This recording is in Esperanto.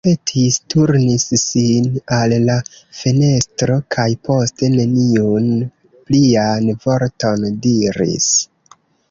Li pardonpetis, turnis sin al la fenestro, kaj poste neniun plian vorton diris.